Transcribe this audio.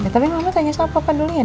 tapi mama tanya sama papa dulu yana